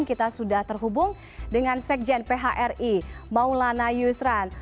kita sudah terhubung dengan sekjen phri maulana yusran